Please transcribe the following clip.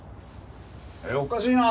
おかしいな。